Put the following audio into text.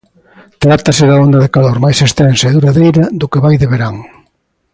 Trátase da onda de calor máis extensa e duradeira do que vai de verán.